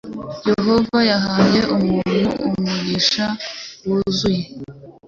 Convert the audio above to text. yehova yahaye umuntu umugisha wuzuye